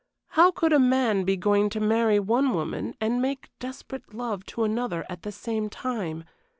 How could a man be going to marry one woman and make desperate love to another at the same time?